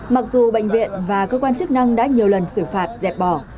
mặc dù bệnh viện và cơ quan chức năng đã nhiều lần xử phạt dẹp bỏ